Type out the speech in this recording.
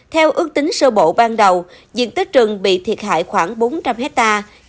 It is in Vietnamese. theo ước tính sơ bộ ban đầu diện tích rừng bị thiệt hại khoảng bốn trăm linh hectare